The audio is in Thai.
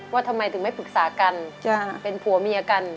ว่าทำไมถึงไม่ปรึกษากันเป็นผัวเมียกัน